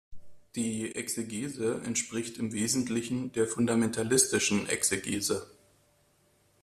Die Exegese entspricht im Wesentlichen der Fundamentalistischen Exegese.